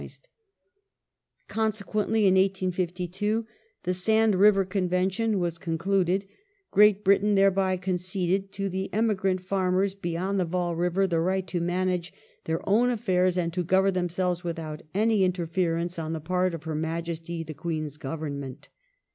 The Sand Consequently, in 1852, the Sand River Convention was con CorTven c^^^^^ Great Britain thereby conceded " to the emigrant farmers tion, June beyond the Vaal River the right to manage their own affairs, and 17th, 1852 ^^ govern themselves, without any intei ference on the part of Her Majesty, the Queen's Government